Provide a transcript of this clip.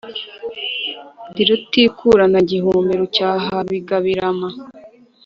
Ndi rutikurana gihumbi, rucyahabigarama,